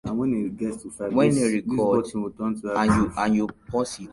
It was named for early residents Richard and Annie Wood.